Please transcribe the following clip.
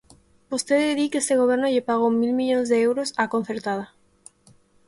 Vostede di que este goberno lle pagou mil millóns de euros á concertada.